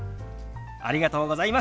ありがとうございます。